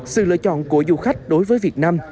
sự lựa chọn của du khách đối với việt nam